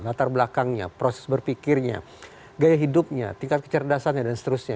latar belakangnya proses berpikirnya gaya hidupnya tingkat kecerdasannya dan seterusnya